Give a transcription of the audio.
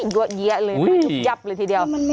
ด้วยเยอะเลยยับเลยทีเดียว